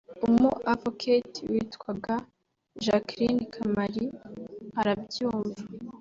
umu avocate witwaga Jacqueline Kamali arabyumva